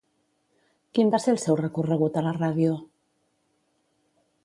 Quin va ser el seu recorregut a la ràdio?